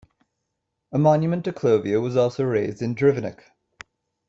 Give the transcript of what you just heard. A monument to Clovio was also raised in Drivenik.